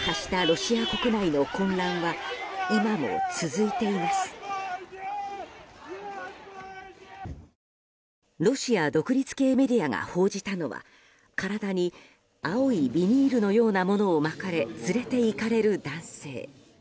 ロシア独立系メディアが報じたのは体に青いビニールのようなものを巻かれ連れていかれる男性。